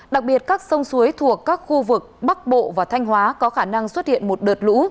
đặc biệt các sông suối thuộc các khu vực bắc bộ và thanh hóa có khả năng xuất hiện một đợt lũ